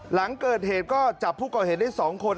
หลังเกิดเหตุก็จับผู้ก่อเหตุได้๒คน